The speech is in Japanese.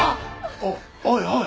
おおいおい。